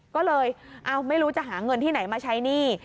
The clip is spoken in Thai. ก็เลยไม่รู้จะหาเงินที่ไหนมาใช้หนี้